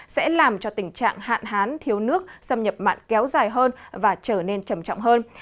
sẽ làm cho tình trạng hạn hán thiếu nước xâm nhập mạn kéo dài hơn và trở nên trầm trọng hơn